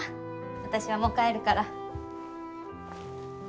私はもう帰るから。